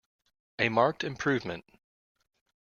A marked improvement.